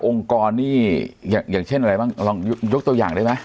องค์กรนี่อย่างเช่นอะไรบ้างลองยกตัวอย่างได้ไหม